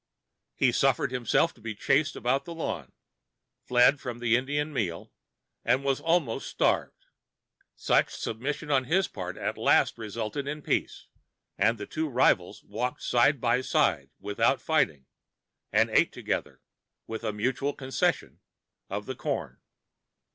He suffered himself to be chased about the lawn, fled from the Indian meal, and was almost starved. Such submission on his part at last resulted in peace, and the two rivals walked side by side without fighting, and ate together, with a mutual concession, of the corn.